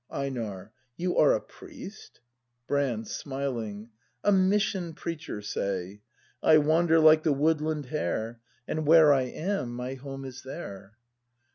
EiNAR. You are A priest ? Brand. [Smiling.] A mission preacher, say. I wander like the woodland hare, And where I am, my home is there.